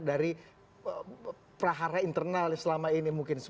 dari prahara internal selama ini mungkin